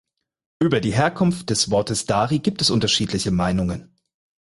Über die Herkunft des Wortes "Dari" gibt es unterschiedliche Meinungen.